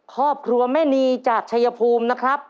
ครอบครัวแม่นีจากชายภูมินะครับ